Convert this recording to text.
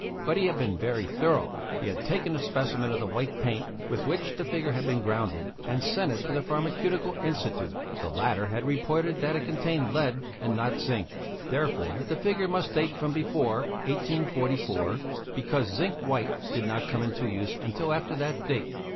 But he had been very thorough. He had taken a specimen of the white paint with which the figure had been grounded, and sent it to the Pharmaceutical Institute; the latter had reported that it contained lead and not zinc; therefore, the figure must date from before 1844, because zinc white did not come into use until after that date.